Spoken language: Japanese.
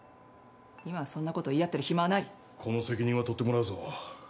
今はそんなこと言い合ってる暇はない」「この責任は取ってもらうぞ」